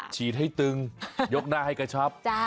ฉีดให้ตึงยกหน้าให้กระชับ